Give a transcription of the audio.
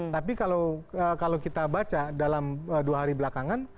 tapi kalau kita baca dalam dua hari belakangan